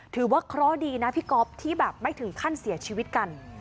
ถือว่าเคราะห์ดีนะพี่ก๊อฟที่แบบไม่ถึงขั้นเสียชีวิตกัน